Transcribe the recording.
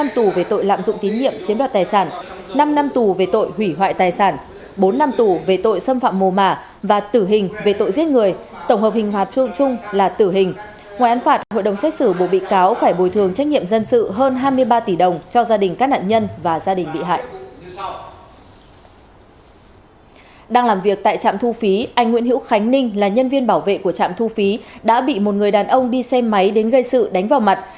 tại trạm thu phí anh nguyễn hữu khánh ninh là nhân viên bảo vệ của trạm thu phí đã bị một người đàn ông đi xe máy đến gây sự đánh vào mặt